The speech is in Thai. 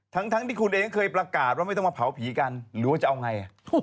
ทั้งที่คุณเองเคยประกาศว่าไม่ต้องมาเผาผีกันหรือว่าจะเอาไง